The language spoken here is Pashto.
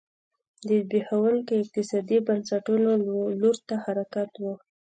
د زبېښونکو اقتصادي بنسټونو لور ته حرکت و